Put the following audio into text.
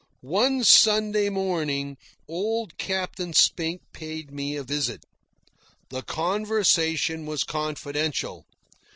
One Sunday morning old Captain Spink paid me a visit. The conversation was confidential.